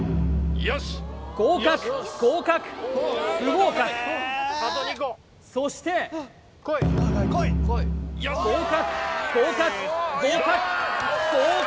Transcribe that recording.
合格合格不合格そして合格合格合格合格！